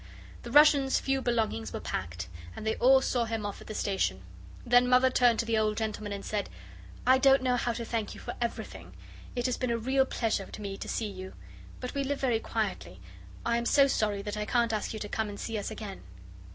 The Russian's few belongings were packed, and they all saw him off at the station. Then Mother turned to the old gentleman and said: "I don't know how to thank you for EVERYTHING. It has been a real pleasure to me to see you. But we live very quietly. I am so sorry that I can't ask you to come and see us again."